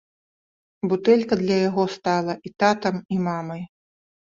Бутэлька для яго стала і татам, і мамай.